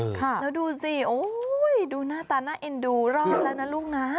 แล้วดูสิโอ้ยดูหน้าตาน่าเอ็นดูรอดแล้วนะลูกนะ